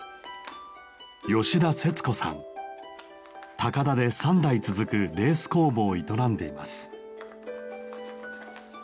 高田で３代続くレース工房を営んでいます。